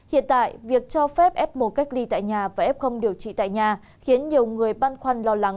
hiện tại việc cho phép ép mổ cách ly tại nhà và ép không điều trị tại nhà khiến nhiều người băn khoăn lo lắng